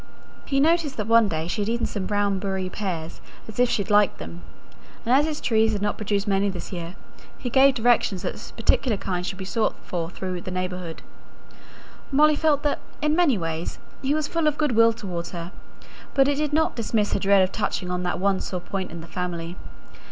He noticed that one day she had eaten some brown beurrÄ pears as if she liked them; and as his trees had not produced many this year, he gave directions that this particular kind should be sought for through the neighbourhood. Molly felt that, in many ways, he was full of good will towards her; but it did not diminish her dread of touching on the one sore point in the family.